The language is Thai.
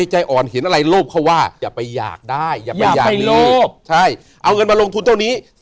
ห้ามคำประกัน